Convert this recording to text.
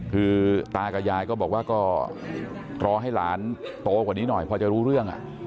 คือตากับยายก็บอกว่าก็รอให้หลานโตกว่านี้หน่อยพอจะรู้เรื่อง